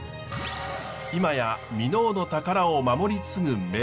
今や箕面の宝を守り継ぐ名工。